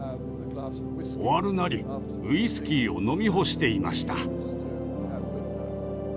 終わるなりウイスキーを飲み干していました。